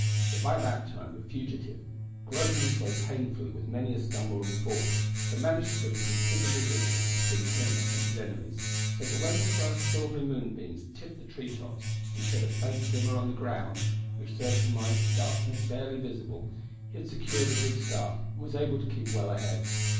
But by that time the fugitive, groping his way painfully with many a stumble and fall, had managed to put a considerable distance between him and his enemies, so that when the first silvery moonbeans tipped the tree tops and shed a faint glimmer on the ground, which served to make darkness barely visible, he had secured a good start, and was able to keep well ahead.